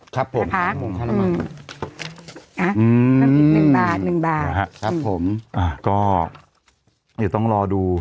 ครับผมครับผมข้าวน้ำมันอืมอืมครับผมอ่ะก็อย่าต้องรอดู